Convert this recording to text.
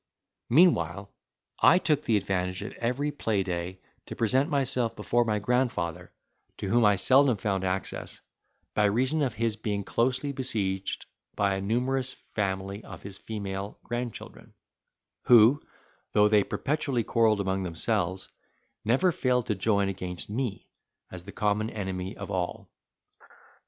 Meanwhile, I took the advantage of every play day to present myself before my grandfather, to whom I seldom found access, by reason of his being closely besieged by a numerous family of his female grandchildren, who, though they perpetually quarrelled among themselves, never failed to join against me, as the common enemy of all.